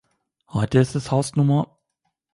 Heute ist es Haus Nr.